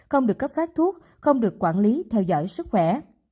không được cấp phát thuốc không được quản lý theo dõi sức khỏe